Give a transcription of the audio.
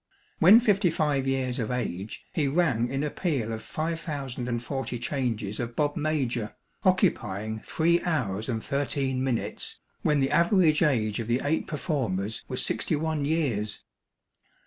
When fifty five years of age, he rang in a peal of 5040 changes of Bob Major, occupying three hours and thirteen minutes, when the average age of the eight performers was sixty one years.